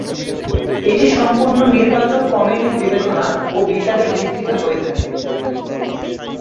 এটি সম্পূর্ণ নির্বাচক কমিটির বিবেচনা ও বিচারের ভিত্তিতে হয়ে থাকে।